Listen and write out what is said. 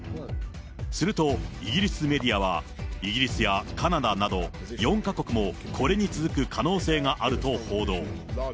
すると、イギリスメディアは、イギリスやカナダなど、４か国もこれに続く可能性があると報道。